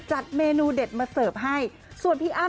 จัดเมนูเด็ดมาเสิร์ฟให้ส่วนพี่อ้ำ